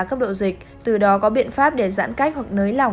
cấp độ dịch từ đó có biện pháp để giãn cách hoặc nới lỏng